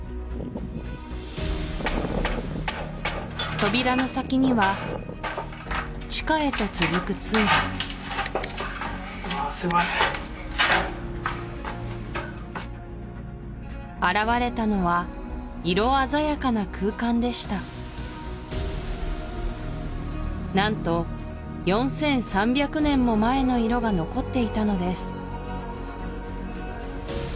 扉の先には地下へと続く通路ああ狭い現れたのは色鮮やかな空間でした何と４３００年も前の色が残っていたのです